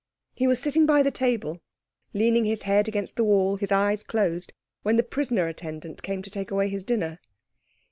He was sitting by the table, leaning his head against the wall, his eyes closed, when the prisoner attendant came to take away his dinner.